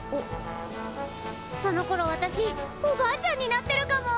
そのころ私おばあちゃんになってるかも！